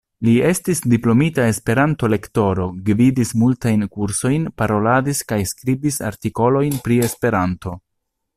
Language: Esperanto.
Li estis diplomita Esperanto-lektoro, gvidis multajn kursojn, paroladis kaj skribis artikolojn pri Esperanto.